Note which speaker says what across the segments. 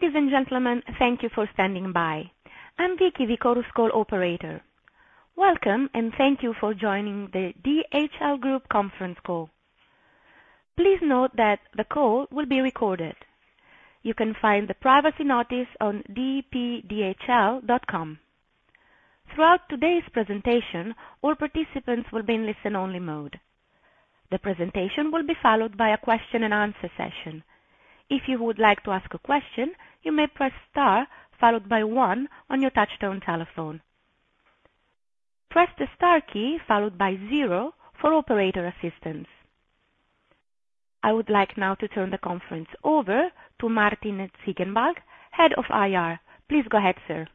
Speaker 1: Ladies and gentlemen, thank you for standing by. I'm Vicky, the Chorus Call operator. Welcome, and thank you for joining the DHL Group conference call. Please note that the call will be recorded. You can find the privacy notice on dpdhl.com. Throughout today's presentation, all participants will be in listen-only mode. The presentation will be followed by a question-and-answer session. If you would like to ask a question, you may press star followed by one on your touchtone telephone. Press the star key followed by zero for operator assistance. I would like now to turn the conference over to Martin Ziegenbalg, Head of IR. Please go ahead, sir.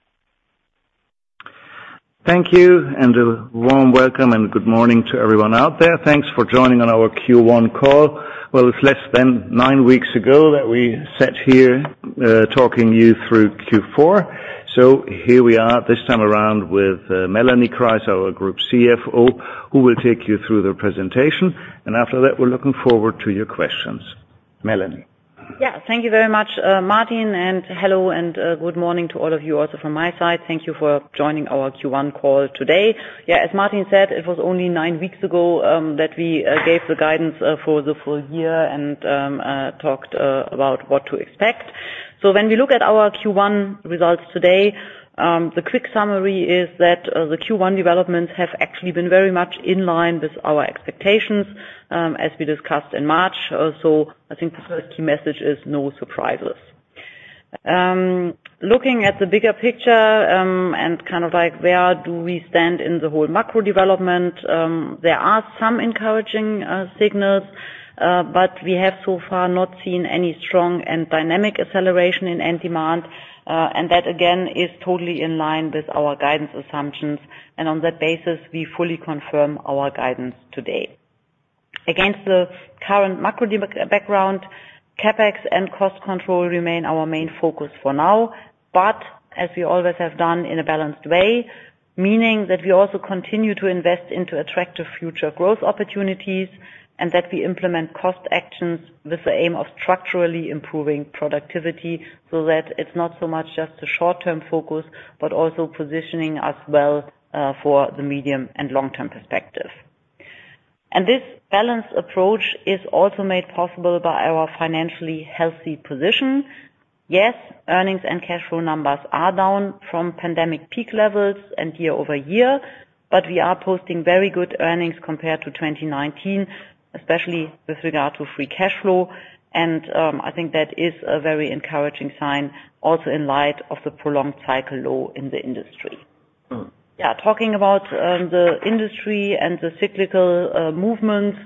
Speaker 2: Thank you, and a warm welcome, and good morning to everyone out there. Thanks for joining on our Q1 call. Well, it's less than nine weeks ago that we sat here, talking you through Q4. Here we are, this time around with Melanie Kreis, our Group CFO, who will take you through the presentation. After that, we're looking forward to your questions. Melanie?
Speaker 3: Yeah. Thank you very much, Martin, and hello, and good morning to all of you, also from my side. Thank you for joining our Q1 call today. Yeah, as Martin said, it was only nine weeks ago that we gave the guidance for the full year and talked about what to expect. So when we look at our Q1 results today, the quick summary is that the Q1 developments have actually been very much in line with our expectations as we discussed in March. Also, I think the first key message is no surprises. Looking at the bigger picture, and kind of like, where do we stand in the whole macro development? There are some encouraging signals, but we have so far not seen any strong and dynamic acceleration in end demand. And that, again, is totally in line with our guidance assumptions, and on that basis, we fully confirm our guidance today. Against the current macroeconomic background, CapEx and cost control remain our main focus for now. But as we always have done in a balanced way, meaning that we also continue to invest into attractive future growth opportunities, and that we implement cost actions with the aim of structurally improving productivity, so that it's not so much just a short-term focus, but also positioning us well for the medium and long-term perspective. And this balanced approach is also made possible by our financially healthy position. Yes, earnings and cash flow numbers are down from pandemic peak levels and year-over-year, but we are posting very good earnings compared to 2019, especially with regard to free cash flow and, I think that is a very encouraging sign also in light of the prolonged cycle low in the industry. Yeah, talking about the industry and the cyclical movements,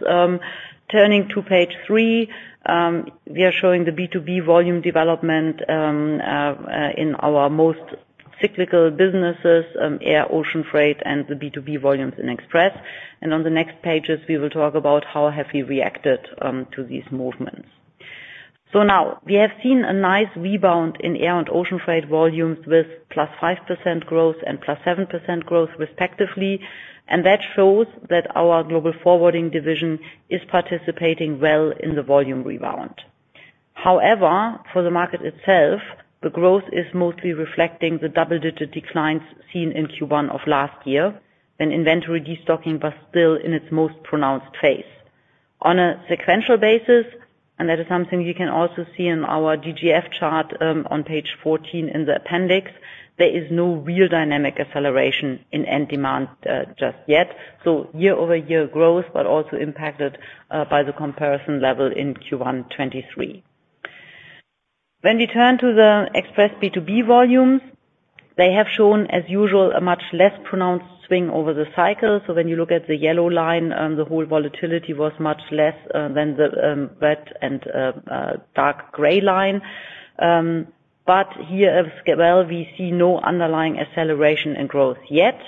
Speaker 3: turning to page three, we are showing the B2B volume development in our most cyclical businesses, air, ocean freight, and the B2B volumes in Express. On the next pages, we will talk about how have we reacted to these movements. So now we have seen a nice rebound in air and ocean freight volumes with +5% growth and +7% growth, respectively, and that shows that our Global Forwarding division is participating well in the volume rebound. However, for the market itself, the growth is mostly reflecting the double-digit declines seen in Q1 of last year, when inventory destocking was still in its most pronounced phase. On a sequential basis, and that is something you can also see in our DGF chart on page 14 in the appendix, there is no real dynamic acceleration in end demand just yet. So year-over-year growth, but also impacted by the comparison level in Q1 2023. When we turn to the Express B2B volumes, they have shown, as usual, a much less pronounced swing over the cycle. So when you look at the yellow line, the whole volatility was much less than the red and dark gray line. But here as well, we see no underlying acceleration in growth yet.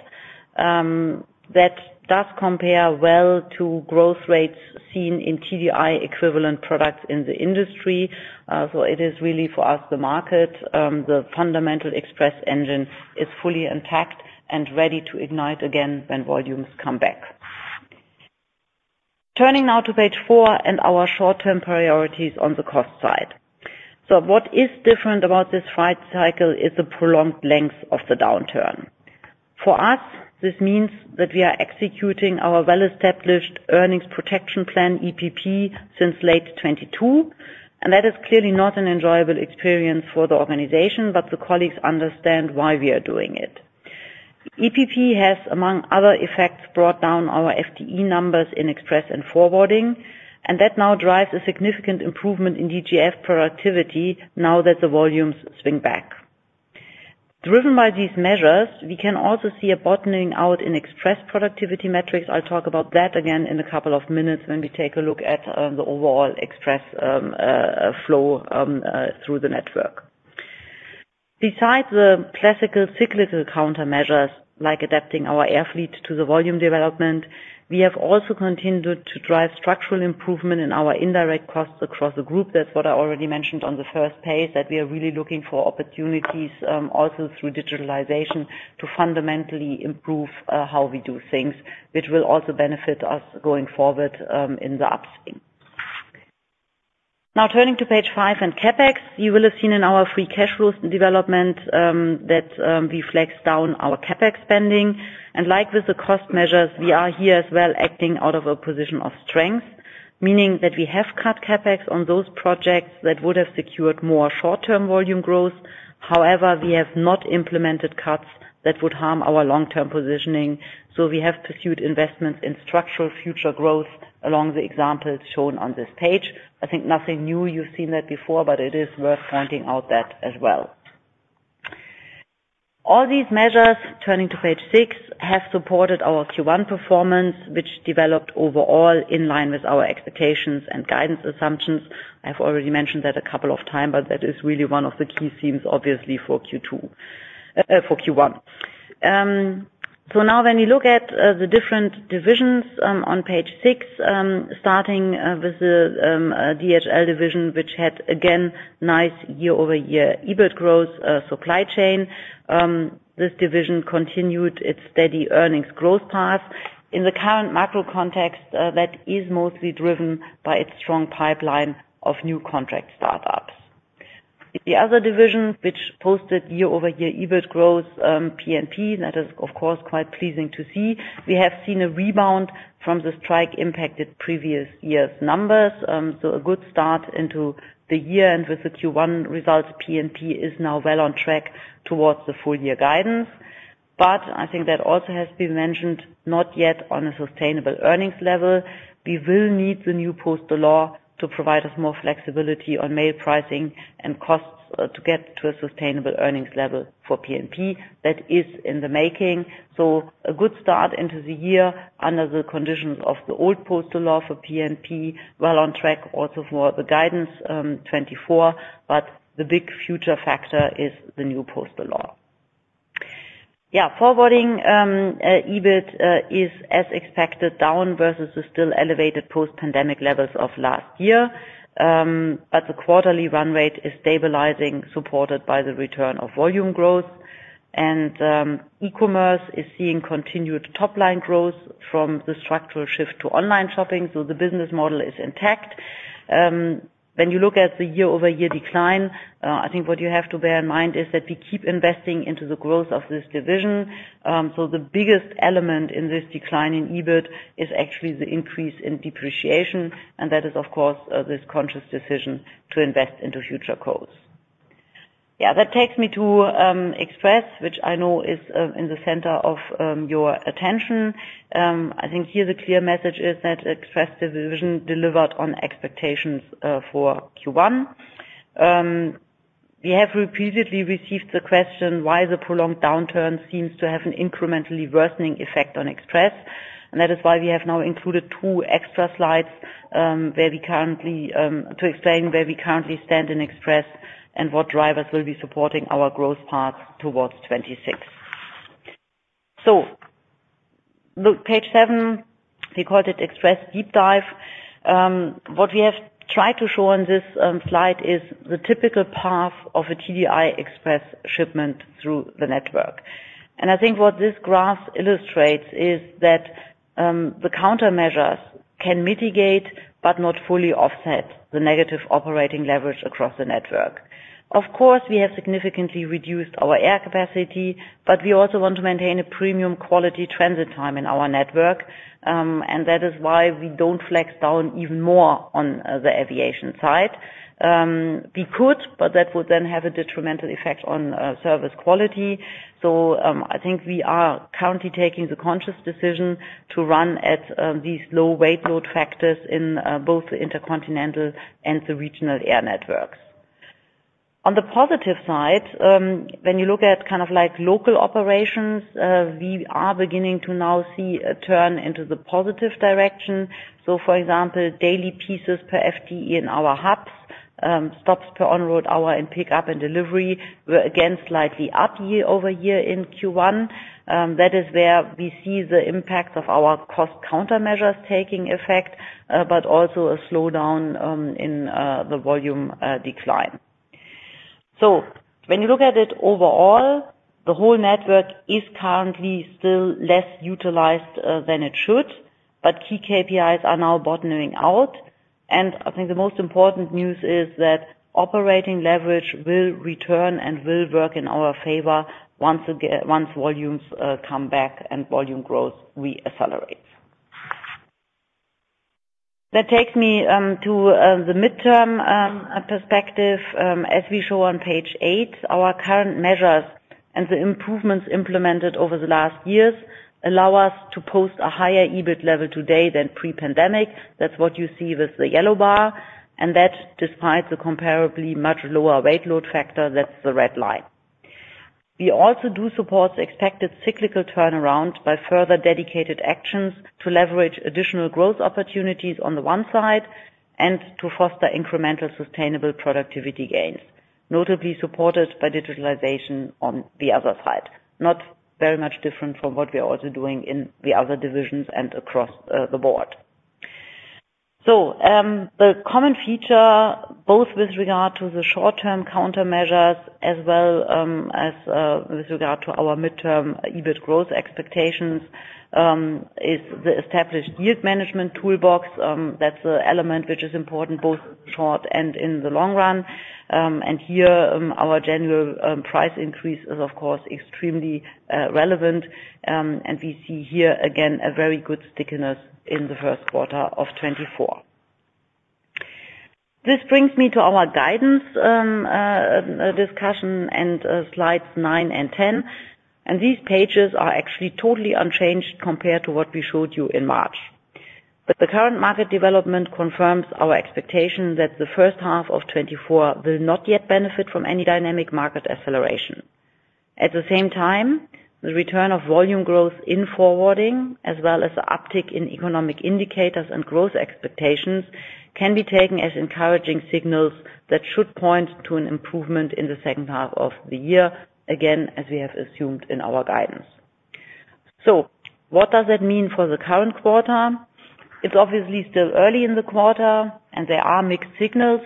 Speaker 3: That does compare well to growth rates seen in TDI equivalent products in the industry. So it is really for us, the market, the fundamental Express engine is fully intact and ready to ignite again when volumes come back. Turning now to page four and our short-term priorities on the cost side. So what is different about this freight cycle is the prolonged length of the downturn. For us, this means that we are executing our well-established Earnings Protection Plan, EPP, since late 2022, and that is clearly not an enjoyable experience for the organization, but the colleagues understand why we are doing it. EPP has, among other effects, brought down our FTE numbers in Express and forwarding, and that now drives a significant improvement in DGF productivity now that the volumes swing back. Driven by these measures, we can also see a bottoming out in Express productivity metrics. I'll talk about that again in a couple of minutes when we take a look at the overall Express flow through the network. Besides the classical cyclical countermeasures, like adapting our air fleet to the volume development, we have also continued to drive structural improvement in our indirect costs across the group. That's what I already mentioned on the first page, that we are really looking for opportunities also through digitalization, to fundamentally improve how we do things, which will also benefit us going forward in the upswing. Now turning to page five and CapEx, you will have seen in our free cash flows development, that, we flexed down our CapEx spending. And like with the cost measures, we are here as well, acting out of a position of strength, meaning that we have cut CapEx on those projects that would have secured more short-term volume growth. However, we have not implemented cuts that would harm our long-term positioning, so we have pursued investments in structural future growth along the examples shown on this page. I think nothing new, you've seen that before, but it is worth pointing out that as well. All these measures, turning to page six, have supported our Q1 performance, which developed overall in line with our expectations and guidance assumptions. I've already mentioned that a couple of time, but that is really one of the key themes, obviously, for Q2, for Q1. So now when we look at the different divisions, on page six, starting with the DHL Supply Chain division, which had, again, nice year-over-year EBIT growth. This division continued its steady earnings growth path. In the current macro context, that is mostly driven by its strong pipeline of new contract startups. The other division, which posted year-over-year EBIT growth, P&P, that is, of course, quite pleasing to see. We have seen a rebound from the strike impacted previous year's numbers. So a good start into the year, and with the Q1 results, P&P is now well on track towards the full year guidance. But I think that also has been mentioned, not yet on a sustainable earnings level. We will need the new postal law to provide us more flexibility on mail pricing and costs, to get to a sustainable earnings level for P&P. That is in the making. So a good start into the year under the conditions of the old postal law for P&P, well on track also for the guidance, 2024, but the big future factor is the new postal law. Yeah, forwarding, EBIT, is as expected, down versus the still elevated post-pandemic levels of last year. But the quarterly run rate is stabilizing, supported by the return of volume growth. And, eCommerce is seeing continued top line growth from the structural shift to online shopping, so the business model is intact. When you look at the year-over-year decline, I think what you have to bear in mind is that we keep investing into the growth of this division. So the biggest element in this decline in EBIT is actually the increase in depreciation, and that is, of course, this conscious decision to invest into future growth. Yeah, that takes me to Express, which I know is in the center of your attention. I think here the clear message is that Express division delivered on expectations for Q1. We have repeatedly received the question why the prolonged downturn seems to have an incrementally worsening effect on Express, and that is why we have now included two extra slides to explain where we currently stand in Express and what drivers will be supporting our growth path towards 2026. So look, page seven, we called it Express Deep Dive. What we have tried to show on this slide is the typical path of a TDI Express shipment through the network. And I think what this graph illustrates is that the countermeasures can mitigate but not fully offset the negative operating leverage across the network. Of course, we have significantly reduced our air capacity, but we also want to maintain a premium quality transit time in our network, and that is why we don't flex down even more on the aviation side. We could, but that would then have a detrimental effect on service quality. So, I think we are currently taking the conscious decision to run at these low weight load factors in both the intercontinental and the regional air networks. On the positive side, when you look at kind of like local operations, we are beginning to now see a turn into the positive direction. So for example, daily pieces per FTE in our hubs, stops per on-road hour and pickup and delivery were again, slightly up year-over-year in Q1. That is where we see the impact of our cost countermeasures taking effect, but also a slowdown in the volume decline. So when you look at it overall, the whole network is currently still less utilized than it should, but key KPIs are now bottoming out. And I think the most important news is that operating leverage will return and will work in our favor once volumes come back and volume growth re-accelerates. That takes me to the midterm perspective. As we show on page eight, our current measures and the improvements implemented over the last years allow us to post a higher EBIT level today than pre-pandemic. That's what you see with the yellow bar, and that despite the comparably much lower weight load factor, that's the red line. We also do support the expected cyclical turnaround by further dedicated actions to leverage additional growth opportunities on the one side and to foster incremental sustainable productivity gains, notably supported by digitalization on the other side. Not very much different from what we are also doing in the other divisions and across the board. The common feature, both with regard to the short-term countermeasures as well, as with regard to our midterm EBIT growth expectations, is the established yield management toolbox. That's an element which is important both short and in the long run. And here, our general price increase is of course, extremely relevant. And we see here again, a very good stickiness in the first quarter of 2024. This brings me to our guidance discussion and slides nine and 10. And these pages are actually totally unchanged compared to what we showed you in March. But the current market development confirms our expectation that the first half of 2024 will not yet benefit from any dynamic market acceleration. At the same time, the return of volume growth in forwarding, as well as the uptick in economic indicators and growth expectations, can be taken as encouraging signals that should point to an improvement in the second half of the year, again, as we have assumed in our guidance. So what does that mean for the current quarter? It's obviously still early in the quarter, and there are mixed signals,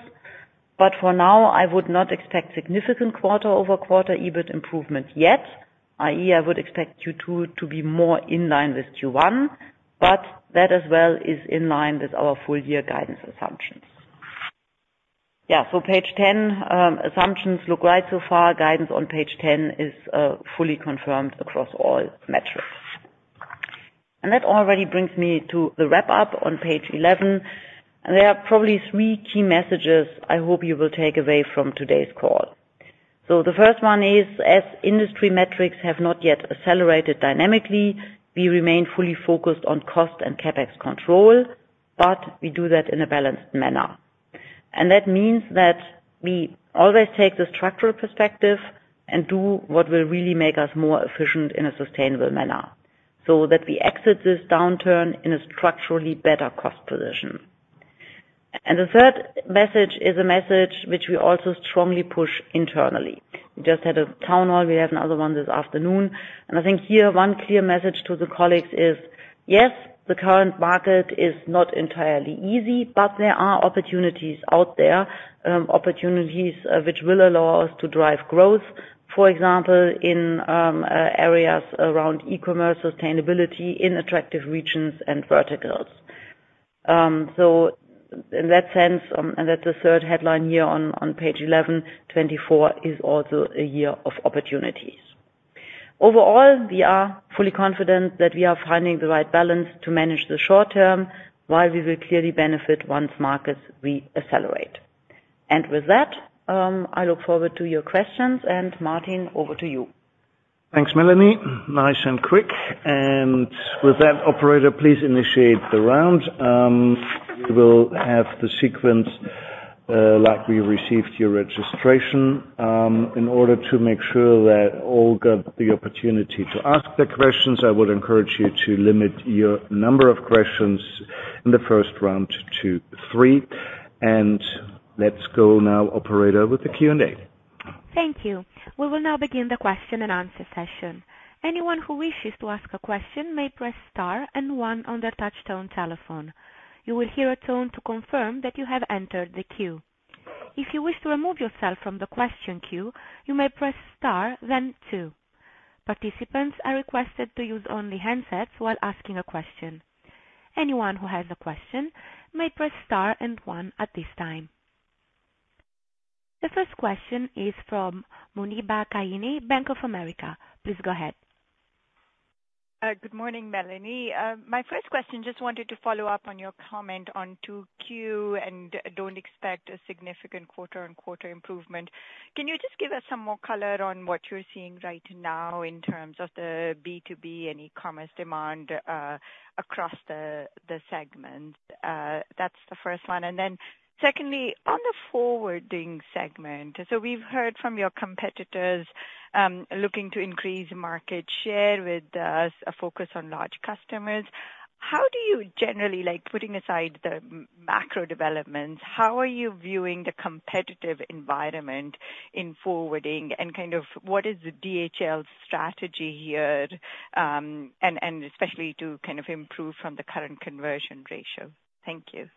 Speaker 3: but for now, I would not expect significant quarter-over-quarter EBIT improvement yet, i.e., I would expect Q2 to be more in line with Q1, but that as well is in line with our full year guidance assumptions. Yeah, so page 10, assumptions look right so far. Guidance on page 10 is fully confirmed across all metrics. That already brings me to the wrap up on page 11, and there are probably three key messages I hope you will take away from today's call. So the first one is, as industry metrics have not yet accelerated dynamically, we remain fully focused on cost and CapEx control, but we do that in a balanced manner. And that means that we always take the structural perspective and do what will really make us more efficient in a sustainable manner, so that we exit this downturn in a structurally better cost position. And the third message is a message which we also strongly push internally. We just had a town hall. We have another one this afternoon, and I think here, one clear message to the colleagues is, yes, the current market is not entirely easy, but there are opportunities out there, opportunities which will allow us to drive growth, for example, in areas around e-commerce, sustainability in attractive regions and verticals. So in that sense, and that's the third headline here on page 11, 2024 is also a year of opportunities. Overall, we are fully confident that we are finding the right balance to manage the short term, while we will clearly benefit once markets re-accelerate. And with that, I look forward to your questions, and Martin, over to you.
Speaker 2: Thanks, Melanie. Nice and quick. With that, operator, please initiate the round. We will have the sequence like we received your registration. In order to make sure that all get the opportunity to ask their questions, I would encourage you to limit your number of questions in the first round to three. Let's go now, operator, with the Q&A.
Speaker 1: Thank you. We will now begin the question and answer session. Anyone who wishes to ask a question may press star and one on their touchtone telephone. You will hear a tone to confirm that you have entered the queue. If you wish to remove yourself from the question queue, you may press star, then two. Participants are requested to use only handsets while asking a question. Anyone who has a question may press star and one at this time. The first question is from Muneeba Kayani, Bank of America. Please go ahead.
Speaker 4: Good morning, Melanie. My first question, just wanted to follow up on your comment on 2Q and don't expect a significant quarter-on-quarter improvement. Can you just give us some more color on what you're seeing right now in terms of the B2B and e-commerce demand across the segment? That's the first one. And then secondly, on the forwarding segment, so we've heard from your competitors looking to increase market share with a focus on large customers. How do you generally, like, putting aside the macro developments, how are you viewing the competitive environment in forwarding, and kind of what is the DHL strategy here, and especially to kind of improve from the current conversion ratio? Thank you.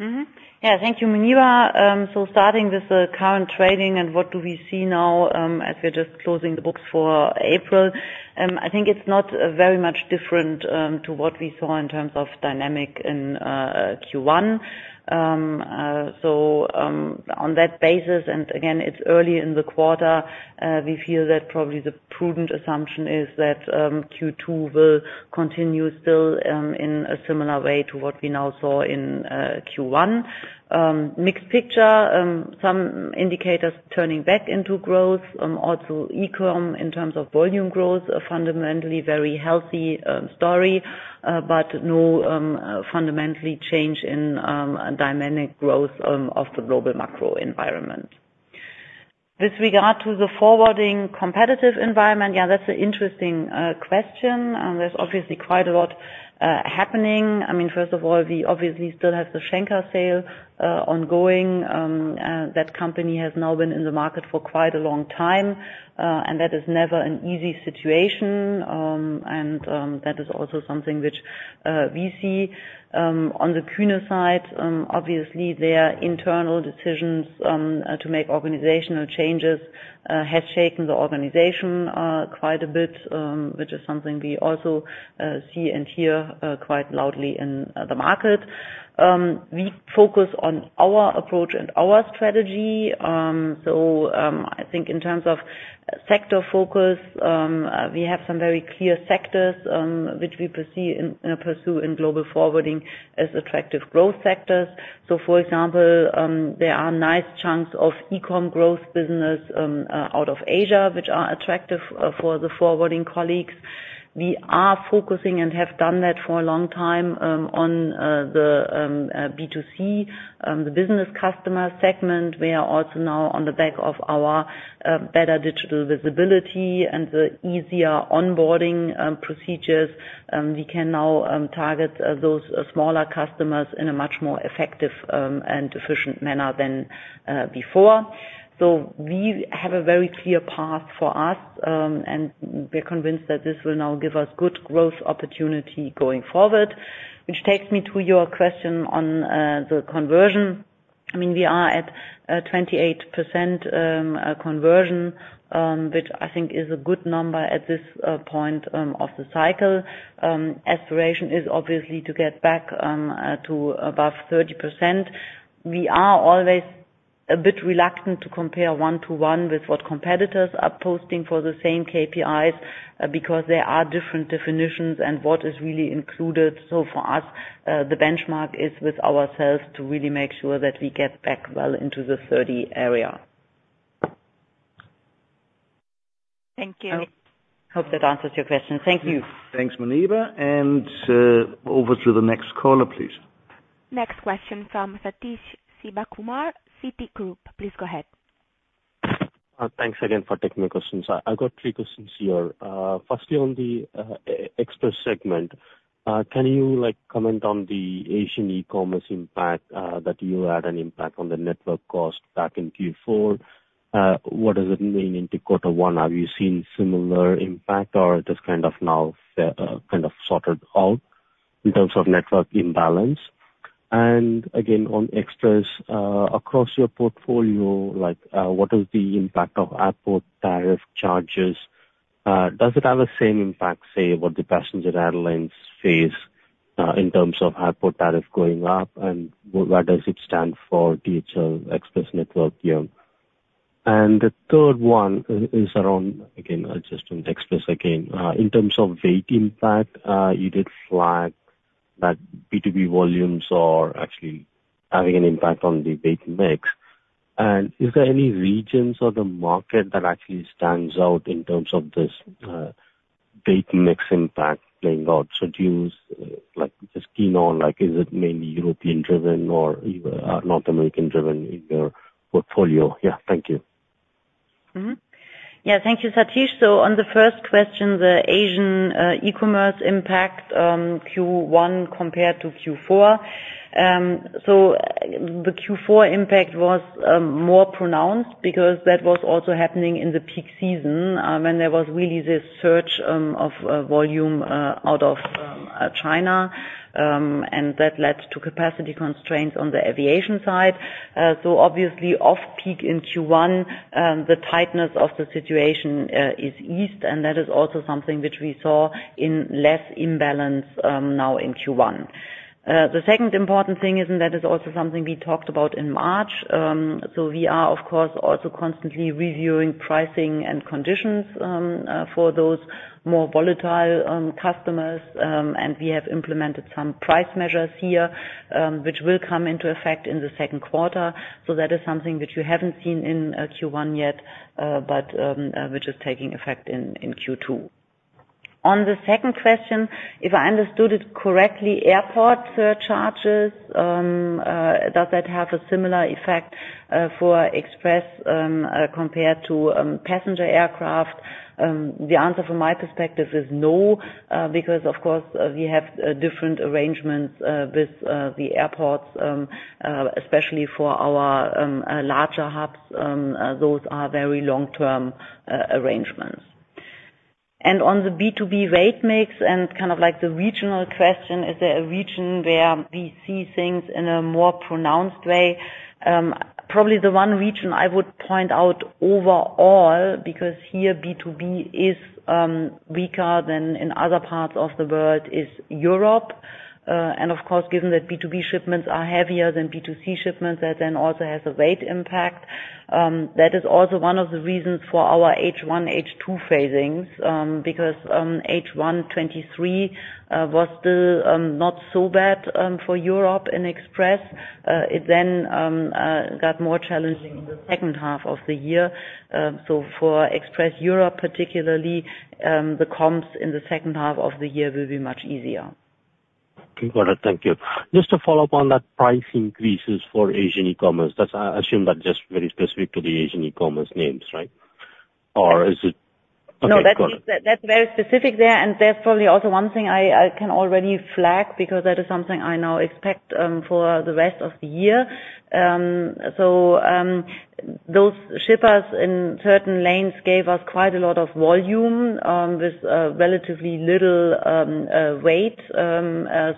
Speaker 3: Mm-hmm. Yeah, thank you, Muneeba. So starting with the current trading and what do we see now, as we're just closing the books for April? I think it's not very much different to what we saw in terms of dynamic in Q1. So, on that basis, and again, it's early in the quarter, we feel that probably the prudent assumption is that Q2 will continue still in a similar way to what we now saw in Q1. Mixed picture, some indicators turning back into growth, also e-com in terms of volume growth, fundamentally very healthy story, but no fundamentally change in dynamic growth of the global macro environment. With regard to the forwarding competitive environment, yeah, that's an interesting question. There's obviously quite a lot happening. I mean, first of all, we obviously still have the Schenker sale ongoing. That company has now been in the market for quite a long time, and that is never an easy situation. And that is also something which we see. On the Kuehne side, obviously, their internal decisions to make organizational changes has shaken the organization quite a bit. Which is something we also see and hear quite loudly in the market. We focus on our approach and our strategy. So, I think in terms of sector focus, we have some very clear sectors which we perceive and pursue in global forwarding as attractive growth sectors. So, for example, there are nice chunks of e-com growth business out of Asia, which are attractive for the forwarding colleagues. We are focusing, and have done that for a long time, on the B2C, the business customer segment. We are also now on the back of our better digital visibility and the easier onboarding procedures. We can now target those smaller customers in a much more effective and efficient manner than before. So we have a very clear path for us, and we're convinced that this will now give us good growth opportunity going forward. Which takes me to your question on the conversion. I mean, we are at 28% conversion, which I think is a good number at this point of the cycle. Aspiration is obviously to get back to above 30%. We are always a bit reluctant to compare one-to-one with what competitors are posting for the same KPIs, because there are different definitions and what is really included. So for us, the benchmark is with ourselves, to really make sure that we get back well into the 30 area.
Speaker 4: Thank you.
Speaker 3: Hope that answers your question. Thank you.
Speaker 2: Thanks, Muneeba. Over to the next caller, please.
Speaker 1: Next question from Sathish Sivakumar, Citigroup. Please go ahead.
Speaker 5: Thanks again for taking my questions. I've got three questions here. First, on the Express segment, can you, like, comment on the Asian e-commerce impact that you had an impact on the network cost back in Q4? What does it mean into quarter one? Have you seen similar impact or it is kind of now kind of sorted out in terms of network imbalance? And again, on Express, across your portfolio, like, what is the impact of airport tariff charges? Does it have the same impact, say, what the passenger airlines face, in terms of airport tariff going up, and where does it stand for DHL Express network here? And the third one is around, again, just on Express again. In terms of weight impact, you did flag that B2B volumes are actually having an impact on the weight mix. And is there any regions or the market that actually stands out in terms of this weight mix impact playing out? So do you, like, just key on, like, is it mainly European driven or, North American driven in your portfolio? Yeah, thank you.
Speaker 3: Mm-hmm. Yeah, thank you, Sathish. So on the first question, the Asian e-commerce impact, Q1 compared to Q4. So the Q4 impact was more pronounced because that was also happening in the peak season, when there was really this surge of volume out of China. And that led to capacity constraints on the aviation side. So obviously, off-peak in Q1, the tightness of the situation is eased, and that is also something which we saw in less imbalance now in Q1. The second important thing is, and that is also something we talked about in March, so we are, of course, also constantly reviewing pricing and conditions for those more volatile customers. And we have implemented some price measures here, which will come into effect in the second quarter. So that is something that you haven't seen in Q1 yet, but which is taking effect in Q2. On the second question, if I understood it correctly, airport surcharges, does that have a similar effect for Express compared to passenger aircraft? The answer from my perspective is no, because of course, we have different arrangements with the airports, especially for our larger hubs. Those are very long-term arrangements. And on the B2B weight mix, and kind of like the regional question, is there a region where we see things in a more pronounced way? Probably the one region I would point out overall, because here B2B is weaker than in other parts of the world, is Europe. And of course, given that B2B shipments are heavier than B2C shipments, that then also has a weight impact. That is also one of the reasons for our H1, H2 phasings', because H1 2023 was still not so bad for Europe in Express. It then got more challenging in the second half of the year. So for Express Europe particularly, the comps in the second half of the year will be much easier.
Speaker 5: Okay, got it. Thank you. Just to follow up on that price increases for Asian e-commerce, that's, I assume that's just very specific to the Asian e-commerce names, right? Or is it-- Okay, got it.
Speaker 3: No, that's, that's very specific there, and that's probably also one thing I, I can already flag, because that is something I now expect for the rest of the year. So, those shippers in certain lanes gave us quite a lot of volume with relatively little weight.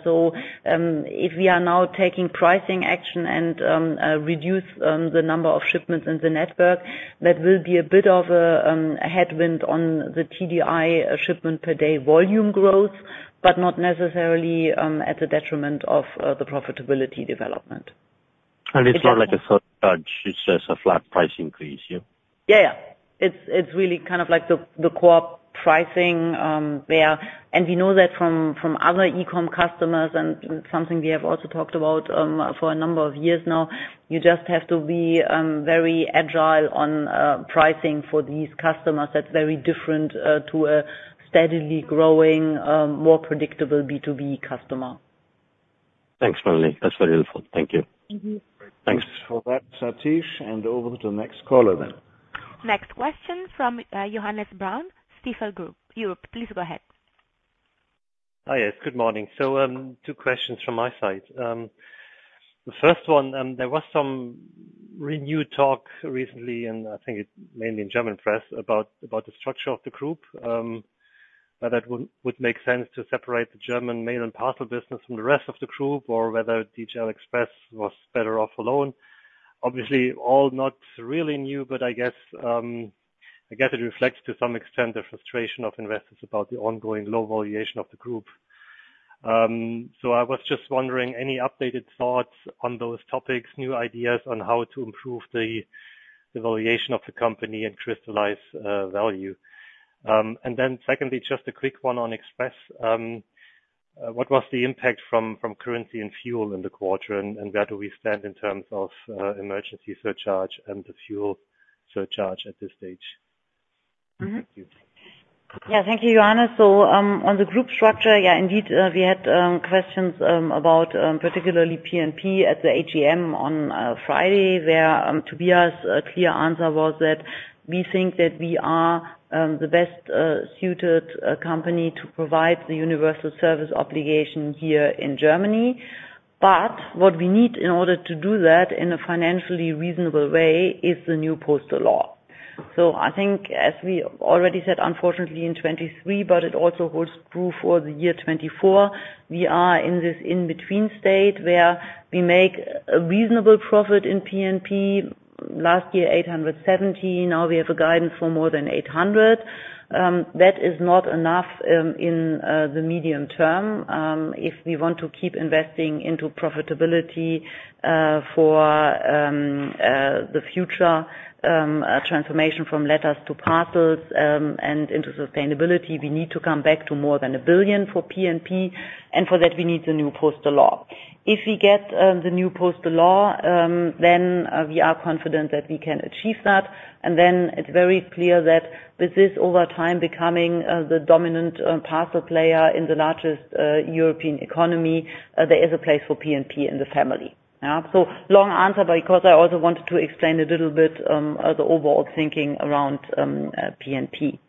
Speaker 3: So, if we are now taking pricing action and reduce the number of shipments in the network, that will be a bit of a headwind on the TDI shipment per day volume growth, but not necessarily at the detriment of the profitability development.
Speaker 5: It's not like a surcharge, it's just a flat price increase, yeah?
Speaker 3: Yeah, yeah. It's really kind of like the spot pricing, where, and we know that from other e-com customers and something we have also talked about for a number of years now. You just have to be very agile on pricing for these customers. That's very different to a steadily growing more predictable B2B customer.
Speaker 5: Thanks, Melanie. That's very helpful. Thank you.
Speaker 3: Mm-hmm.
Speaker 5: Thanks.
Speaker 2: Thanks for that, Sathish, and over to the next caller then.
Speaker 1: Next question from Johannes Braun, Stifel. Please go ahead.
Speaker 6: Hi, yes, good morning. So, two questions from my side. The first one, there was some renewed talk recently, and I think it mainly in German press, about the structure of the group. Whether that would make sense to separate the German mail and parcel business from the rest of the group, or whether DHL Express was better off alone. Obviously, all not really new, but I guess, I guess it reflects to some extent the frustration of investors about the ongoing low valuation of the group. So I was just wondering, any updated thoughts on those topics, new ideas on how to improve the valuation of the company and crystallize value? And then secondly, just a quick one on Express. What was the impact from, from currency and fuel in the quarter, and, and where do we stand in terms of emergency surcharge and the fuel surcharge at this stage?
Speaker 3: Mm-hmm.
Speaker 6: Thank you.
Speaker 3: Yeah, thank you, Johannes. So, on the group structure, yeah, indeed, we had questions about particularly P&P at the AGM on Friday, where Tobias' clear answer was that we think that we are the best suited company to provide the universal service obligation here in Germany. But what we need in order to do that in a financially reasonable way is the new postal law. So I think, as we already said, unfortunately, in 2023, but it also holds true for the year 2024, we are in this in-between state where we make a reasonable profit in P&P. Last year, 870, now we have a guidance for more than 800. That is not enough in the medium term. If we want to keep investing into profitability, for the future transformation from letters to parcels, and into sustainability, we need to come back to more than 1 billion for P&P, and for that, we need the new postal law. If we get the new postal law, then we are confident that we can achieve that. And then it's very clear that with this, over time becoming the dominant parcel player in the largest European economy, there is a place for P&P in the family. So long answer, but because I also wanted to explain a little bit, the overall thinking around P&P.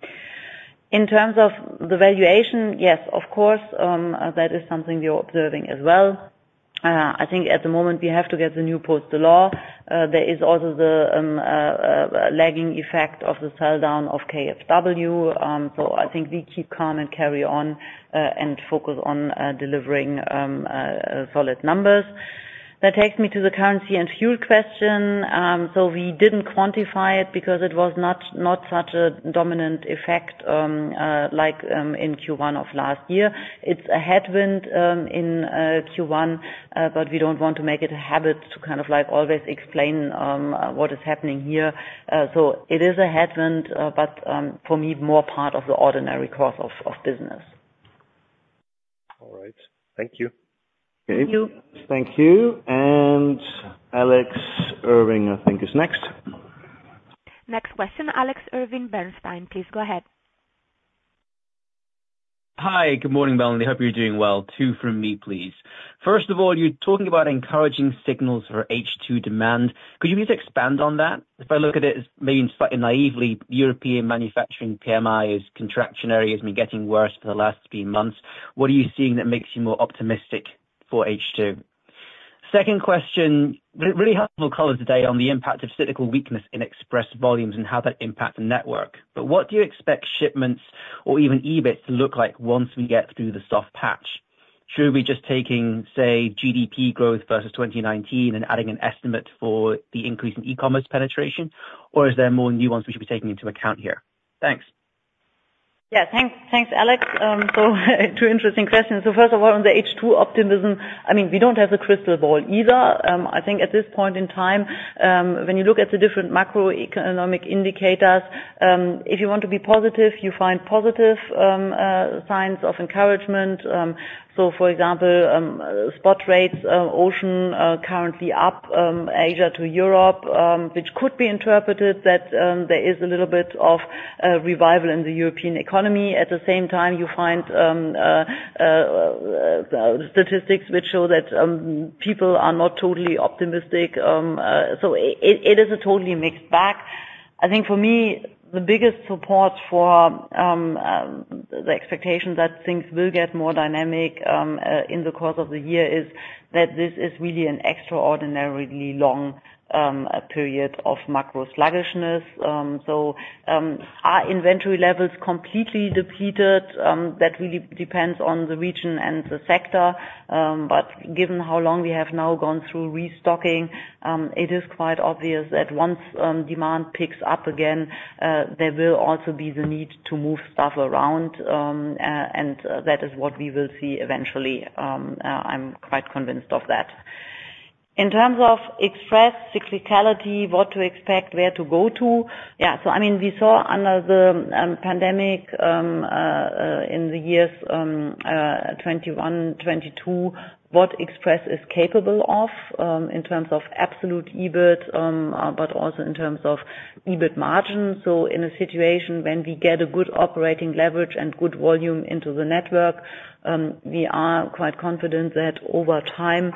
Speaker 3: In terms of the valuation, yes, of course, that is something we are observing as well. I think at the moment, we have to get the new postal law. There is also the lagging effect of the sell-down of KfW. So I think we keep calm and carry on and focus on delivering solid numbers. That takes me to the currency and fuel question. So we didn't quantify it because it was not such a dominant effect, like, in Q1 of last year. It's a headwind in Q1, but we don't want to make it a habit to kind of, like, always explain what is happening here. So it is a headwind, but for me, more part of the ordinary course of business.
Speaker 6: All right. Thank you.
Speaker 3: Thank you.
Speaker 2: Thank you. And Alex Irving, I think, is next.
Speaker 1: Next question, Alex Irving, Bernstein. Please go ahead.
Speaker 7: Hi, good morning, Melanie. Hope you're doing well. Two from me, please. First of all, you're talking about encouraging signals for H2 demand. Could you please expand on that? If I look at it as maybe slightly naively, European manufacturing PMI is contractionary, has been getting worse for the last few months. What are you seeing that makes you more optimistic for H2? Second question, really helpful colors today on the impact of cyclical weakness in Express volumes and how that impacts the network. But what do you expect shipments or even EBITs to look like once we get through the soft patch? Should we just taking, say, GDP growth versus 2019 and adding an estimate for the increase in e-commerce penetration? Or is there more nuance we should be taking into account here? Thanks.
Speaker 3: Yeah, thanks. Thanks, Alex. So two interesting questions. So first of all, on the H2 optimism, I mean, we don't have a crystal ball either. I think at this point in time, when you look at the different macroeconomic indicators, if you want to be positive, you find positive, signs of encouragement. So for example, spot rates, ocean, currently up, Asia to Europe, which could be interpreted that, there is a little bit of, revival in the European economy. At the same time, you find, statistics which show that, people are not totally optimistic. So it is a totally mixed bag. I think for me, the biggest support for the expectation that things will get more dynamic in the course of the year is that this is really an extraordinarily long period of macro sluggishness. So, our inventory levels completely depleted, that really depends on the region and the sector. But given how long we have now gone through restocking, it is quite obvious that once demand picks up again, there will also be the need to move stuff around, and that is what we will see eventually. I'm quite convinced of that. In terms of Express cyclicality, what to expect, where to go to? Yeah, so I mean, we saw under the pandemic in the years 2021, 2022, what Express is capable of in terms of absolute EBIT but also in terms of EBIT margin. So in a situation when we get a good operating leverage and good volume into the network, we are quite confident that over time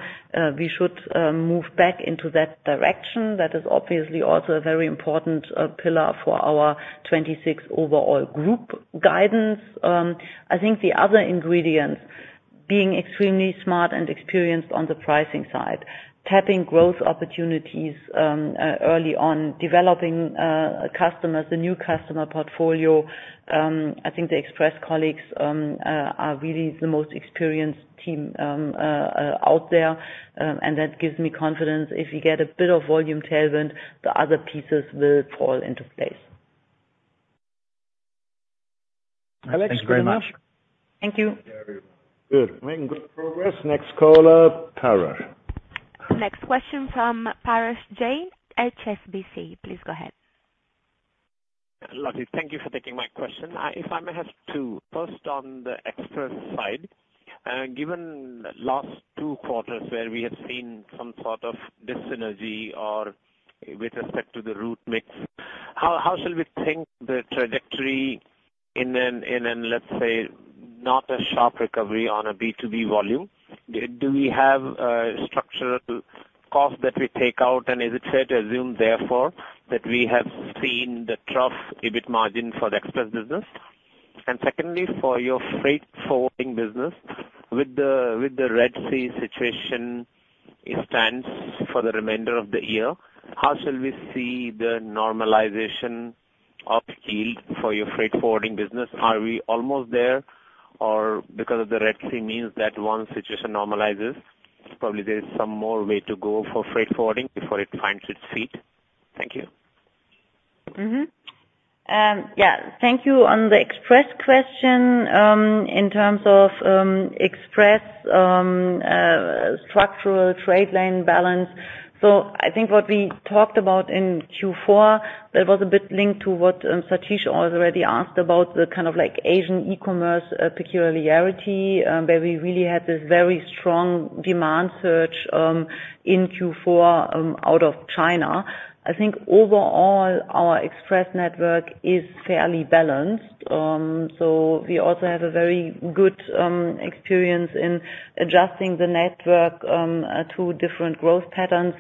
Speaker 3: we should move back into that direction. That is obviously also a very important pillar for our 2026 overall group guidance. I think the other ingredients, being extremely smart and experienced on the pricing side, tapping growth opportunities early on, developing customers, the new customer portfolio. I think the Express colleagues are really the most experienced team out there, and that gives me confidence. If you get a bit of volume tailwind, the other pieces will fall into place.
Speaker 8: Alex, thank you very much.
Speaker 3: Thank you.
Speaker 2: Good. Making good progress. Next caller, Parash.
Speaker 1: Next question from Parash Jain, HSBC. Please go ahead.
Speaker 8: Hello. Thank you for taking my question. If I may have two, first on the Express side, given the last two quarters where we have seen some sort of dis-synergy or with respect to the route mix, how shall we think the trajectory in a, let's say, not a sharp recovery on a B2B volume? Do we have structural costs that we take out? And is it fair to assume, therefore, that we have seen the trough EBIT margin for the Express business? And secondly, for your freight forwarding business, with the Red Sea situation as it stands for the remainder of the year, how shall we see the normalization of yield for your freight forwarding business? Are we almost there, or because of the Red Sea means that once situation normalizes, probably there is some more way to go for freight forwarding before it finds its feet? Thank you.
Speaker 3: Yeah, thank you on the Express question, in terms of Express structural trade lane balance. So I think what we talked about in Q4, that was a bit linked to what Sathish has already asked about the kind of like Asian e-commerce peculiarity, where we really had this very strong demand surge in Q4 out of China. I think overall, our Express network is fairly balanced. So we also have a very good experience in adjusting the network to different growth patterns.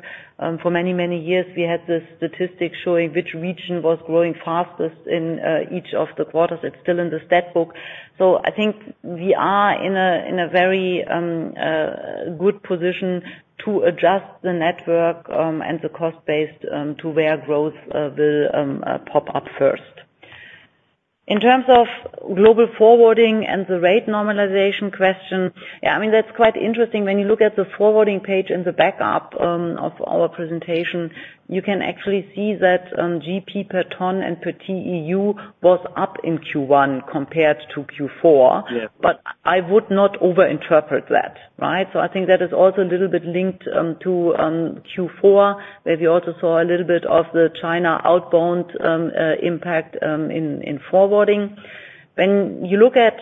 Speaker 3: For many, many years, we had this statistic showing which region was growing fastest in each of the quarters. It's still in the stat book. So I think we are in a, in a very, good position to adjust the network, and the cost base, to where growth, will, pop up first. In terms of global forwarding and the rate normalization question, yeah, I mean, that's quite interesting. When you look at the forwarding page in the backup, of our presentation, you can actually see that, GP per ton and per TEU was up in Q1 compared to Q4.
Speaker 8: Yeah.
Speaker 3: But I would not overinterpret that, right? So I think that is also a little bit linked to Q4, where we also saw a little bit of the China outbound impact in forwarding. When you look at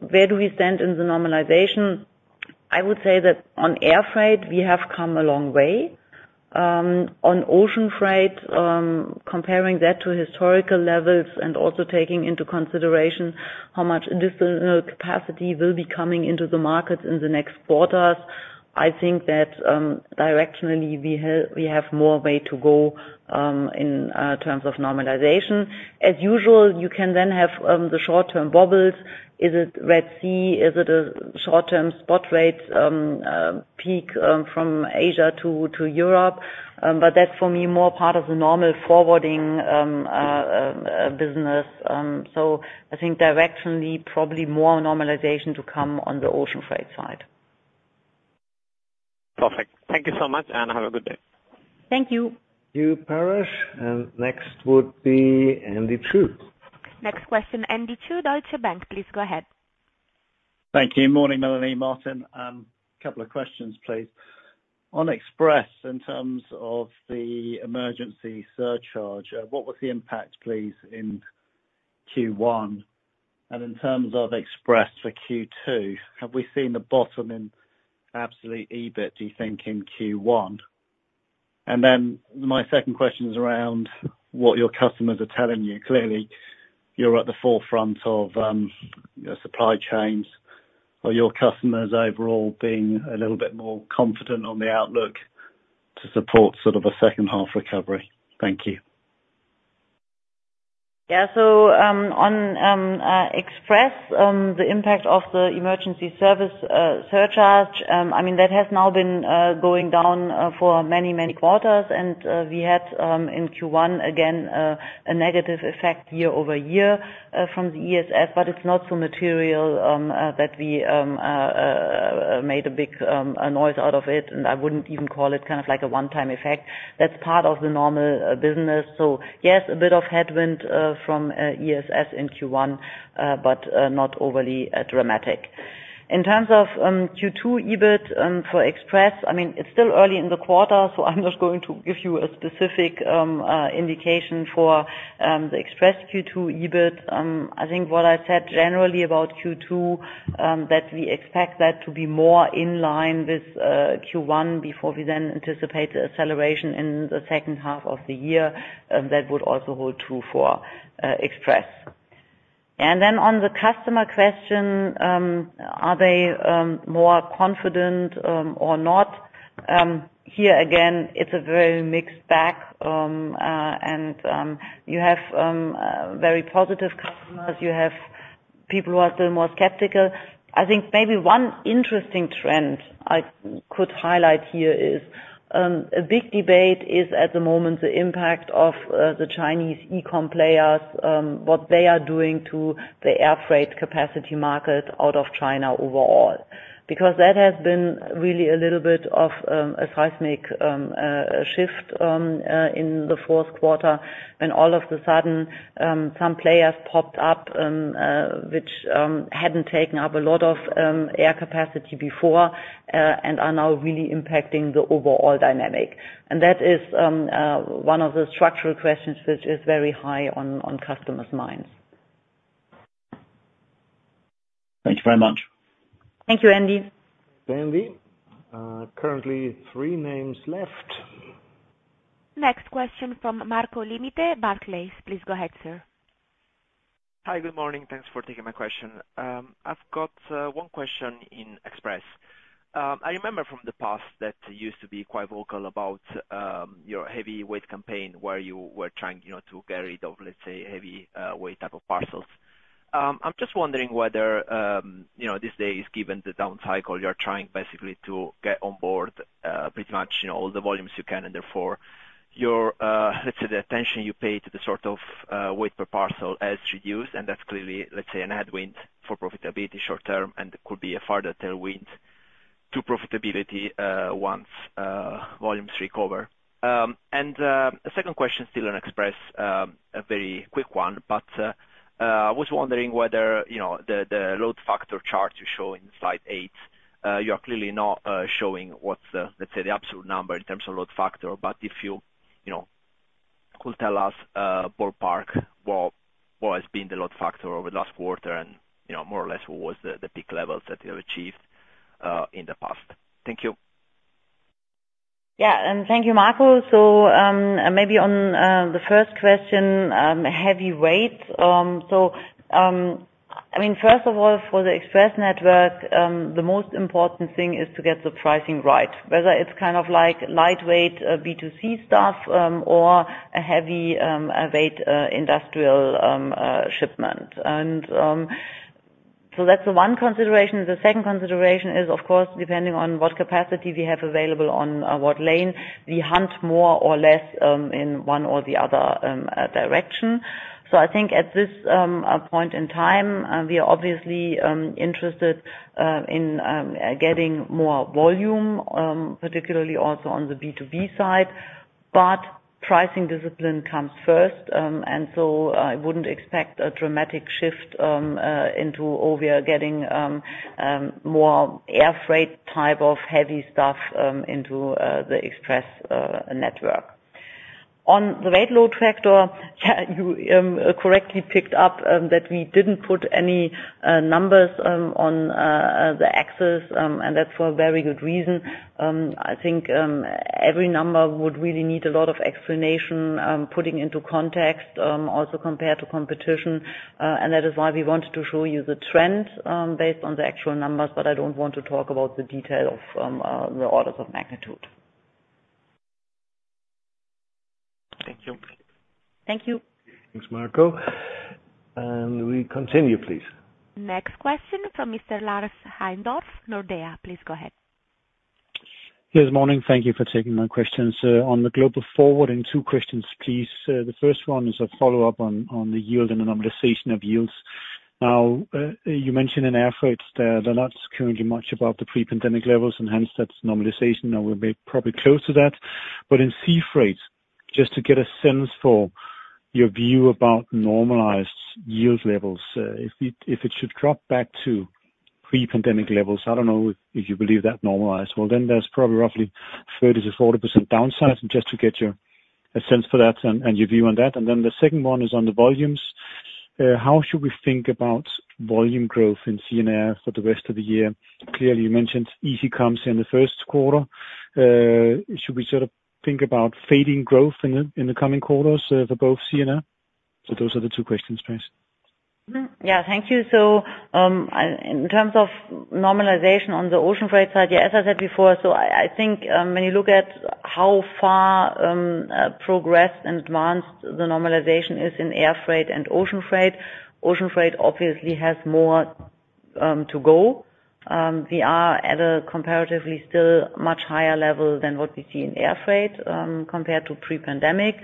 Speaker 3: where do we stand in the normalization, I would say that on air freight, we have come a long way. On ocean freight, comparing that to historical levels and also taking into consideration how much additional capacity will be coming into the market in the next quarters, I think that directionally, we have more way to go in terms of normalization. As usual, you can then have the short-term bubbles. Is it Red Sea? Is it a short-term spot rate peak from Asia to Europe? But that, for me, more part of the normal forwarding business. So I think directionally, probably more normalization to come on the ocean freight side.
Speaker 8: Perfect. Thank you so much, and have a good day.
Speaker 3: Thank you.
Speaker 2: Parash. And next would be Andy Chu.
Speaker 1: Next question, Andy Chu, Deutsche Bank. Please go ahead.
Speaker 9: Thank you. Morning, Melanie, Martin. A couple of questions, please. On Express, in terms of the emergency surcharge, what was the impact, please, in Q1? And in terms of Express for Q2, have we seen the bottom in absolute EBIT, do you think, in Q1? And then my second question is around what your customers are telling you. Clearly, you're at the forefront of, you know, supply chains. Are your customers overall being a little bit more confident on the outlook to support sort of a second half recovery? Thank you.
Speaker 3: Yeah, so on Express, the impact of the Emergency Situation Surcharge, I mean, that has now been going down for many, many quarters. We had in Q1, again, a negative effect year-over-year from the ESS, but it's not so material that we made a big noise out of it. I wouldn't even call it kind of like a one-time effect. That's part of the normal business. So yes, a bit of headwind from ESS in Q1, but not overly dramatic. In terms of Q2 EBIT for Express, I mean, it's still early in the quarter, so I'm just going to give you a specific indication for the Express Q2 EBIT. I think what I said generally about Q2, that we expect that to be more in line with Q1, before we then anticipate an acceleration in the second half of the year, that would also hold true for Express. And then, on the customer question, are they more confident or not? Here, again, it's a very mixed bag. And you have very positive customers. You have people who are still more skeptical. I think maybe one interesting trend I could highlight here is a big debate is, at the moment, the impact of the Chinese e-com players, what they are doing to the air freight capacity market out of China overall. Because that has been really a little bit of a seismic shift in the fourth quarter, when all of a sudden some players popped up which hadn't taken up a lot of air capacity before and are now really impacting the overall dynamic. And that is one of the structural questions which is very high on customers' minds.
Speaker 9: Thank you very much.
Speaker 3: Thank you, Andy.
Speaker 2: Thank you. Currently three names left.
Speaker 1: Next question from Marco Limite, Barclays. Please go ahead, sir.
Speaker 10: Hi, good morning. Thanks for taking my question. I've got one question in Express. I remember from the past that you used to be quite vocal about your heavyweight campaign, where you were trying, you know, to get rid of, let's say, heavy weight type of parcels. I'm just wondering whether, you know, these days, given the down cycle, you're trying basically to get on board pretty much, you know, all the volumes you can, and therefore your, let's say, the attention you pay to the sort of weight per parcel has reduced, and that's clearly, let's say, an headwind for profitability short term, and could be a farther tailwind to profitability once volumes recover. And the second question, still on Express, a very quick one, but I was wondering whether, you know, the load factor chart you show in slide eight, you are clearly not showing what's the, let's say, the absolute number in terms of load factor. But if you, you know, could tell us, ballpark, what has been the load factor over the last quarter, and, you know, more or less, what was the peak levels that you have achieved in the past? Thank you.
Speaker 3: Yeah, and thank you, Marco. So, maybe on the first question, heavyweight. So, I mean, first of all, for the Express network, the most important thing is to get the pricing right, whether it's kind of like lightweight B2C stuff, or a heavy weight industrial shipment. And, so that's the one consideration. The second consideration is, of course, depending on what capacity we have available on what lane, we hunt more or less in one or the other direction. So I think at this point in time, we are obviously interested in getting more volume, particularly also on the B2B side, but pricing discipline comes first. And so I wouldn't expect a dramatic shift into. Oh, we are getting more air freight type of heavy stuff into the Express network. On the weight load factor, yeah, you correctly picked up that we didn't put any numbers on the axis, and that's for a very good reason. I think every number would really need a lot of explanation, putting into context, also compared to competition, and that is why we wanted to show you the trends, based on the actual numbers, but I don't want to talk about the detail of the orders of magnitude.
Speaker 10: Thank you.
Speaker 3: Thank you.
Speaker 2: Thanks, Marco. We continue, please.
Speaker 1: Next question from Mr. Lars Heindorff, Nordea. Please go ahead.
Speaker 11: Yes, morning. Thank you for taking my questions. On Global Forwarding, two questions, please. The first one is a follow-up on the yield and the normalization of yields. Now, you mentioned in air freight that they're not currently much above the pre-pandemic levels, and hence that's normalization, and we're maybe probably close to that. But in sea freight, just to get a sense for your view about normalized yield levels, if it should drop back to pre-pandemic levels, I don't know if you believe that normalized. Well, then there's probably roughly 30%-40% downside, just to get your sense for that and your view on that. And then the second one is on the volumes. How should we think about volume growth in sea and air for the rest of the year? Clearly, you mentioned e-com in the first quarter. Should we sort of think about fading growth in the coming quarters for both sea and air? So those are the two questions, please.
Speaker 3: Mm-hmm. Yeah, thank you. So, I in terms of normalization on the ocean freight side, yeah, as I said before, so I think, when you look at how far progressed and advanced the normalization is in air freight and ocean freight, ocean freight obviously has more to go. We are at a comparatively still much higher level than what we see in air freight compared to pre-pandemic.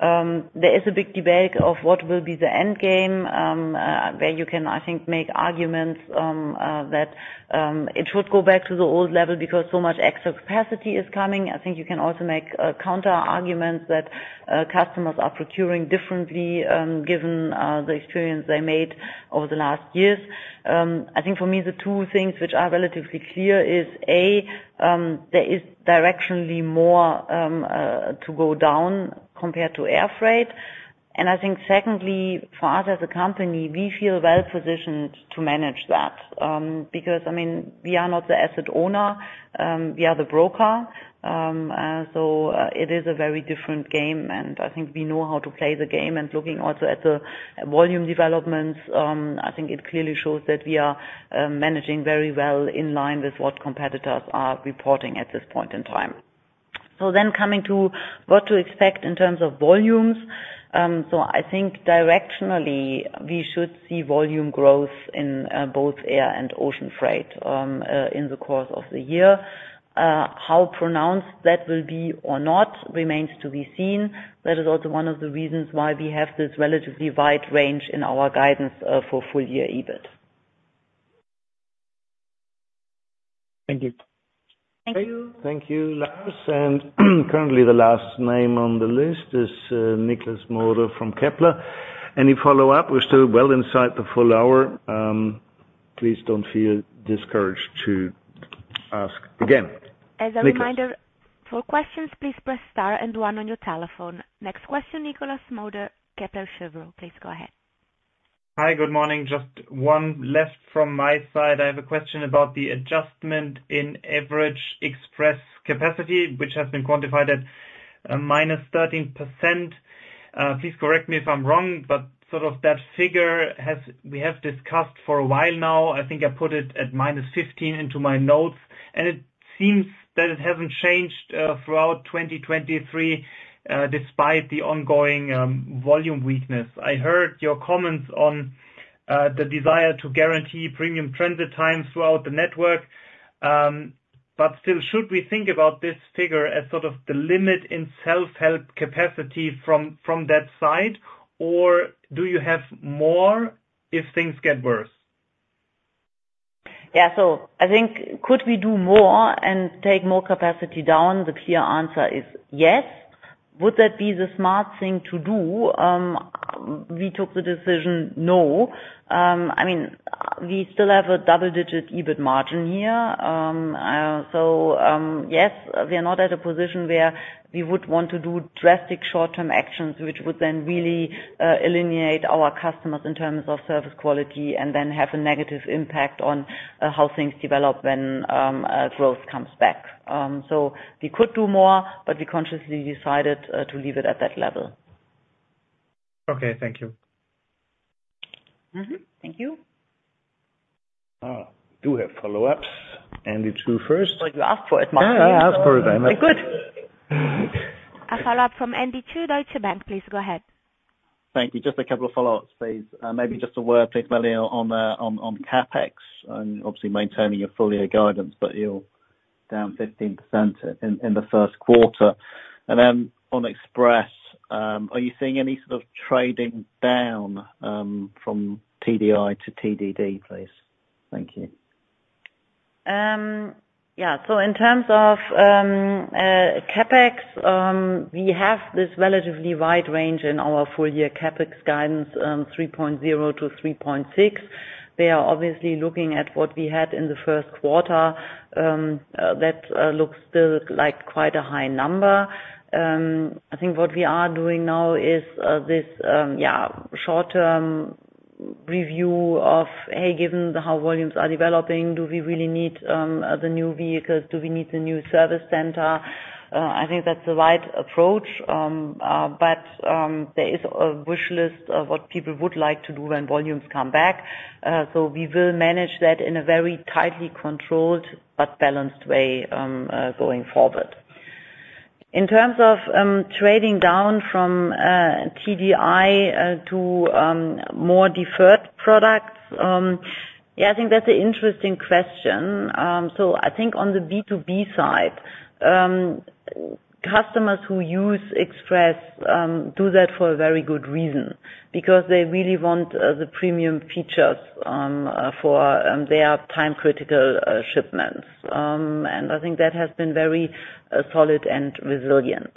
Speaker 3: There is a big debate of what will be the end game where you can, I think, make arguments that it should go back to the old level because so much excess capacity is coming. I think you can also make counter arguments that customers are procuring differently given the experience they made over the last years. I think for me, the two things which are relatively clear is, A, there is directionally more to go down compared to air freight. And I think secondly, for us as a company, we feel well positioned to manage that. Because, I mean, we are not the asset owner, we are the broker. So it is a very different game, and I think we know how to play the game. And looking also at the volume developments, I think it clearly shows that we are managing very well in line with what competitors are reporting at this point in time. So then coming to what to expect in terms of volumes. So I think directionally, we should see volume growth in both air and ocean freight in the course of the year. How pronounced that will be or not remains to be seen. That is also one of the reasons why we have this relatively wide range in our guidance for full year EBIT.
Speaker 11: Thank you.
Speaker 3: Thank you.
Speaker 2: Thank you, Lars. Currently, the last name on the list is Nikolas Mauder from Kepler Cheuvreux. Any follow-up, we're still well inside the full hour. Please don't feel discouraged to ask again. Nicholas.
Speaker 1: As a reminder, for questions, please press Star and One on your telephone. Next question, Nikolas Mauder, Kepler Cheuvreux. Please go ahead.
Speaker 12: Hi, good morning. Just one last from my side. I have a question about the adjustment in average Express capacity, which has been quantified at -13%. Please correct me if I'm wrong, but sort of that figure we have discussed for a while now. I think I put it at -15 into my notes, and it seems that it hasn't changed throughout 2023 despite the ongoing volume weakness. I heard your comments on the desire to guarantee premium transit times throughout the network. But still, should we think about this figure as sort of the limit in self-help capacity from that side? Or do you have more if things get worse?
Speaker 3: Yeah. So I think could we do more and take more capacity down? The clear answer is yes. Would that be the smart thing to do? We took the decision, no. I mean, we still have a double-digit EBIT margin here. So yes, we are not at a position where we would want to do drastic short-term actions, which would then really alienate our customers in terms of service quality, and then have a negative impact on how things develop when growth comes back. So we could do more, but we consciously decided to leave it at that level.
Speaker 12: Okay, thank you.
Speaker 3: Mm-hmm. Thank you.
Speaker 2: Do have follow-ups. Andy, you first.
Speaker 9: Well, you asked for it, Martin.
Speaker 2: Yeah, I asked for it.
Speaker 9: Good.
Speaker 1: A follow-up from Andy Chu, Deutsche Bank. Please go ahead.
Speaker 9: Thank you. Just a couple of follow-ups, please. Maybe just a word, please, Melanie, on CapEx, and obviously maintaining your full year guidance, but you're down 15% in the first quarter. On Express, are you seeing any sort of trading down from TDI to TDD, please? Thank you.
Speaker 3: Yeah, so in terms of CapEx, we have this relatively wide range in our full year CapEx guidance, 3.0-3.6. We are obviously looking at what we had in the first quarter. That looks still like quite a high number. I think what we are doing now is this yeah short-term review of, hey, given how volumes are developing, do we really need the new vehicles? Do we need the new service center? I think that's the right approach. But there is a wish list of what people would like to do when volumes come back. So we will manage that in a very tightly controlled but balanced way, going forward. In terms of trading down from TDI to more deferred products, yeah, I think that's an interesting question. So I think on the B2B side, customers who use Express do that for a very good reason, because they really want the premium features for their time-critical shipments. And I think that has been very solid and resilient.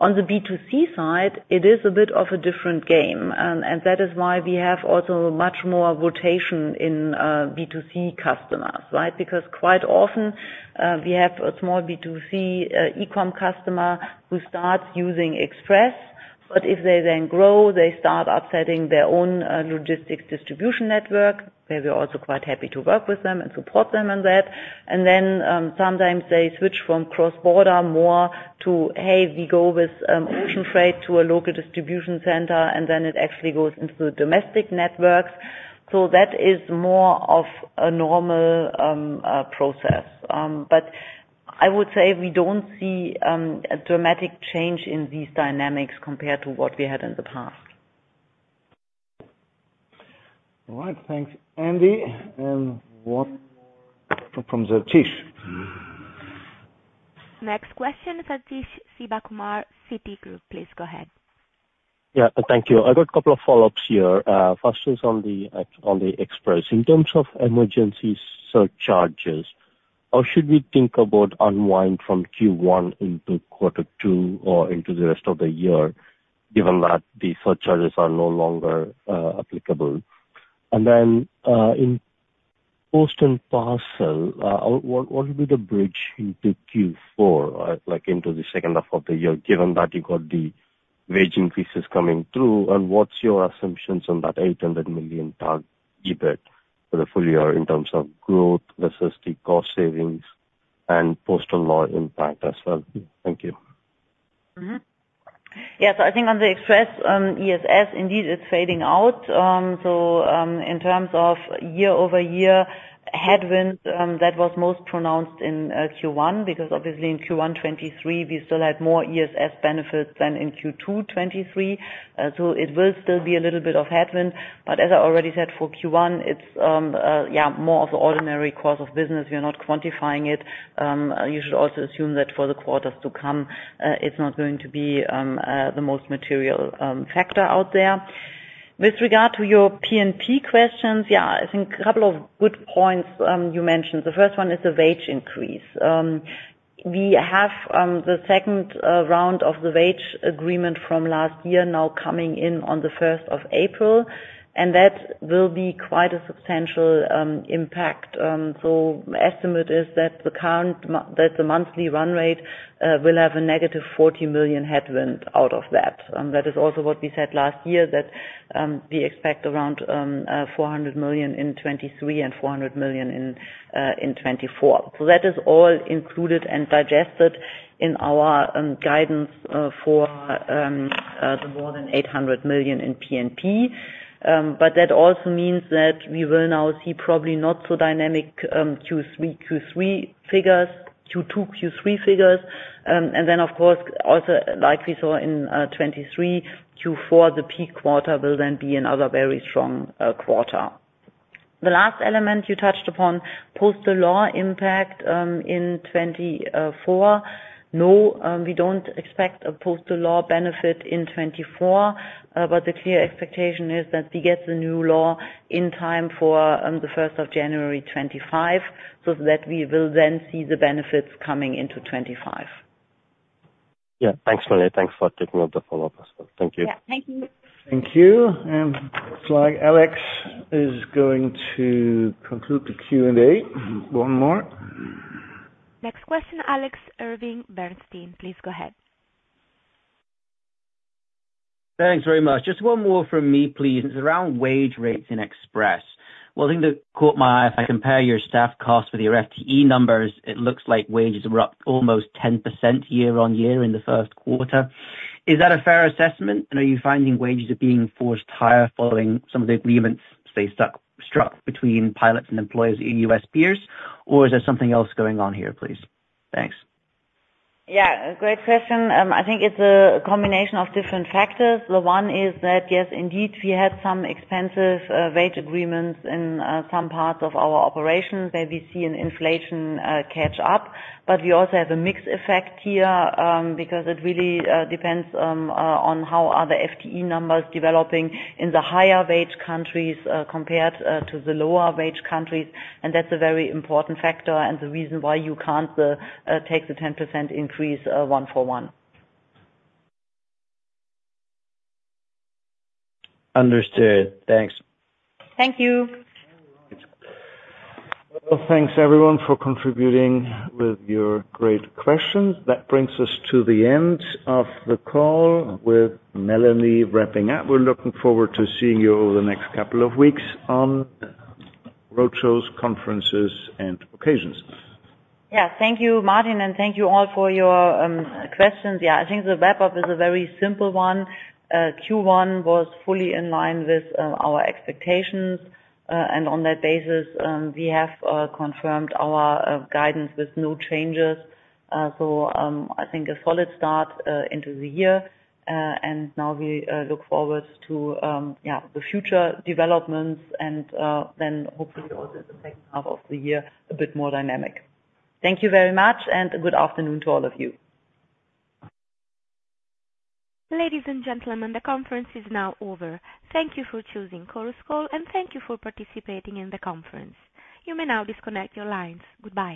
Speaker 3: On the B2C side, it is a bit of a different game, and that is why we have also much more rotation in B2C customers, right? Because quite often, we have a small B2C e-com customer who starts using Express, but if they then grow, they start upselling their own logistics distribution network. We are also quite happy to work with them and support them on that. And then, sometimes they switch from cross-border more to, hey, we go with ocean freight to a local distribution center, and then it actually goes into the domestic networks. So that is more of a normal process. But I would say we don't see a dramatic change in these dynamics compared to what we had in the past.
Speaker 2: All right, thanks, Andy. What from Sathish?
Speaker 1: Next question, Sathish Sivakumar, Citi, please go ahead.
Speaker 5: Yeah, thank you. I've got a couple of follow-ups here. First is on the Express. In terms of emergency surcharges, how should we think about unwind from Q1 into quarter two or into the rest of the year, given that the surcharges are no longer applicable? And then, in Post & Parcel, what will be the bridge into Q4, like into the second half of the year, given that you got the wage increases coming through? And what's your assumptions on that 800 million target EBIT for the full year in terms of growth versus the cost savings and postal law impact as well? Thank you.
Speaker 3: Mm-hmm. Yeah, so I think on the Express, ESS, indeed, it's fading out. So, in terms of year-over-year headwind, that was most pronounced in Q1, because obviously in Q1 2023, we still had more ESS benefits than in Q2 2023. So it will still be a little bit of headwind, but as I already said, for Q1, it's yeah, more of the ordinary course of business. We are not quantifying it. You should also assume that for the quarters to come, it's not going to be the most material factor out there. With regard to your P&P questions, yeah, I think a couple of good points you mentioned. The first one is the wage increase. We have the second round of the wage agreement from last year now coming in on the first of April, and that will be quite a substantial impact. So estimate is that the current monthly run rate will have a negative 40 million headwind out of that. That is also what we said last year, that we expect around 400 million in 2023 and 400 million in 2024. So that is all included and digested in our guidance for the more than 800 million in P&P. But that also means that we will now see probably not so dynamic Q3 figures, Q2, Q3 figures. And then, of course, also like we saw in 2023, Q4, the peak quarter, will then be another very strong quarter. The last element you touched upon, postal law impact, in 2024. No, we don't expect a postal law benefit in 2024, but the clear expectation is that we get the new law in time for the first of January 2025, so that we will then see the benefits coming into 2025.
Speaker 5: Yeah. Thanks, Melanie. Thanks for taking all the follow-ups. Thank you.
Speaker 3: Yeah. Thank you.
Speaker 2: Thank you. Looks like Alex is going to conclude the Q&A. One more.
Speaker 1: Next question, Alex Irving, Bernstein. Please go ahead.
Speaker 7: Thanks very much. Just one more from me, please. It's around wage rates in Express. One thing that caught my eye, if I compare your staff costs with your FTE numbers, it looks like wages were up almost 10% year-on-year in the first quarter. Is that a fair assessment? And are you finding wages are being forced higher following some of the agreements they struck between pilots and employers in U.S. peers? Or is there something else going on here, please? Thanks.
Speaker 3: Yeah, a great question. I think it's a combination of different factors. The one is that, yes, indeed, we had some expensive wage agreements in some parts of our operations, where we see an inflation catch up. But we also have a mixed effect here, because it really depends on how are the FTE numbers developing in the higher wage countries compared to the lower wage countries. And that's a very important factor and the reason why you can't take the 10% increase one for one.
Speaker 7: Understood. Thanks.
Speaker 3: Thank you.
Speaker 2: Well, thanks, everyone, for contributing with your great questions. That brings us to the end of the call, with Melanie wrapping up. We're looking forward to seeing you over the next couple of weeks on road shows, conferences and occasions.
Speaker 3: Yeah. Thank you, Martin, and thank you all for your questions. Yeah, I think the wrap-up is a very simple one. Q1 was fully in line with our expectations, and on that basis, we have confirmed our guidance with no changes. So, I think a solid start into the year, and now we look forward to yeah, the future developments and then hopefully also the second half of the year, a bit more dynamic. Thank you very much, and good afternoon to all of you.
Speaker 1: Ladies and gentlemen, the conference is now over. Thank you for choosing Chorus Call, and thank you for participating in the conference. You may now disconnect your lines. Goodbye.